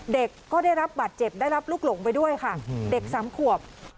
เด็กก็ได้รับบัตรเจ็บได้รับลูกหลงไปด้วยค่ะเด็กสามขวบ